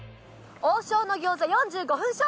王将の餃子４５分